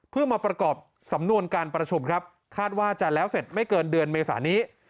เพื่อมาประกอบสำนวนการประชุมครับคาดว่าจะแล้วเสร็จไม่เกินเดือนเมษานี้